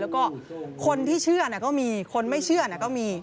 แล้วก็คนที่เชื่อก็มีคนไม่เชื่อก็มี